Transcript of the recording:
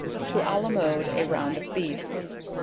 _To alamode a round of Beef.